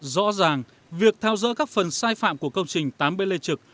rõ ràng việc phá rỡ các phần sai phạm của công trình tám b lê trực